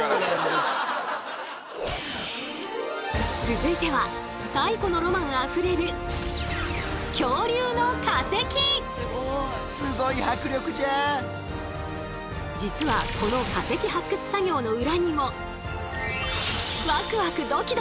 続いては太古のロマンあふれる実はこの化石発掘作業の裏にもワクワクドキドキ！